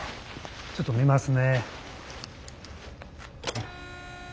ちょっと見ますね。